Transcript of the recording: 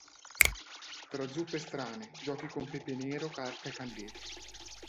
Tra zuppe strane, giochi con pepe nero carta e candele.